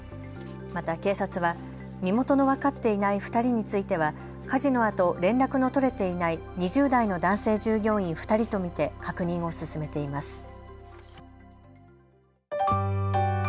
また警察は身元の分かっていない２人については火事のあと連絡の取れていない２０代の男性従業員２人と見て確認を進めています。